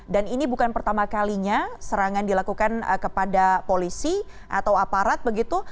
dan ini bukan pertama kalinya serangan dilakukan kepada polisi atau aparat begitu